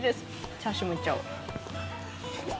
チャーシューもいっちゃおう。